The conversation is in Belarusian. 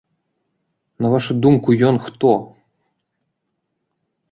На вашу думку, ён хто?